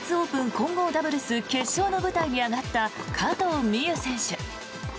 混合ダブルス決勝の舞台に上がった加藤未唯選手。